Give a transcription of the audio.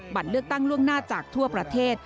บัตรเลือกตั้งล่วงหน้าจากทั่วประเทศ